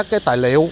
mua sắm các tài liệu